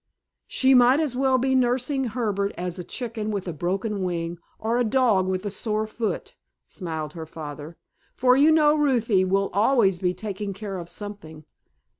"She might as well be nursing Herbert as a chicken with a broken wing or a dog with a sore foot," smiled her father, "for you know Ruthie will always be taking care of something.